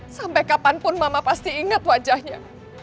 sampai kapanpun mama pasti ingat wajahnya